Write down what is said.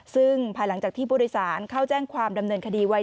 ซึ่งภายหลังจากที่ผู้โดยสารเข้าแจ้งความดำเนินคดีไว้